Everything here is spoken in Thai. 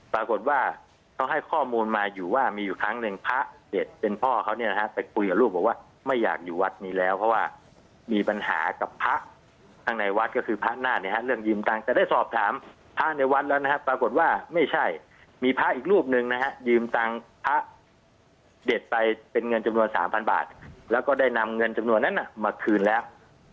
พระก็เหลือที่พระแดดไปเป็นเงินจำนวน๓๐๐๐บาทแล้วก็ได้นำเงินจำนวนนั้นมาคืนแล้ว